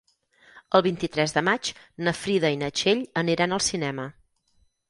El vint-i-tres de maig na Frida i na Txell aniran al cinema.